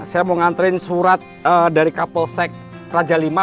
saya mau nganterin surat dari kapolsek raja v